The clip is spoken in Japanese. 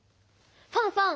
ファンファン！